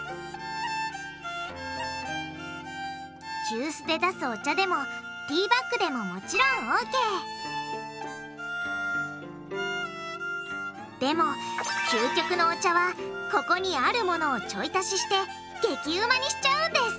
急須で出すお茶でもティーバッグでももちろんＯＫでも究極のお茶はここにあるものをちょい足しして激うまにしちゃうんです！